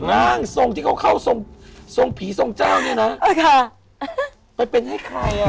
ร่างทรงที่เขาเข้าทรงทรงผีทรงเจ้าเนี่ยนะไปเป็นให้ใครอ่ะ